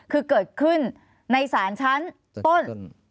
คือเกิดขึ้นในศาลชั้นต้น